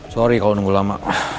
sorry kalau nunggu lama